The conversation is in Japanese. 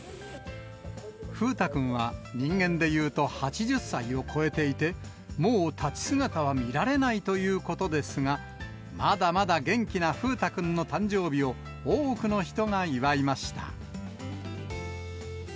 風太くんは、人間でいうと８０歳を超えていて、もう立ち姿は見られないということですが、まだまだ元気な風太くんの誕生日を、多くの人が祝いました。